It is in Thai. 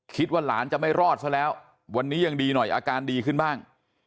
คิดว่าหลานจะไม่รอดซะแล้ววันนี้ยังดีหน่อยอาการดีขึ้นบ้าง